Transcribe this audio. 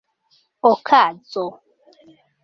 okazo